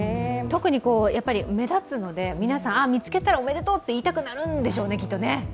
特に目立つので、皆さん見つけたら「おめでとう」って言いたくなるんでしょうね、きっとね。